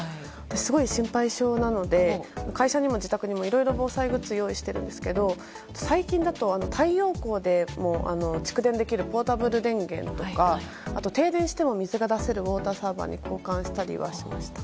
すごい心配性なので会社にも自宅にもいろいろ防災グッズを用意しているんですけど最近だと太陽光でも蓄電できるポータブル電源とかあと、停電しても水が出せるウォーターサーバーに交換したりはしました。